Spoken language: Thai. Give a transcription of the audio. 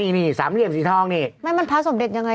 นี่สามเหลี่ยมสีทองนี่ไม่มันพระสมเด็จยังไง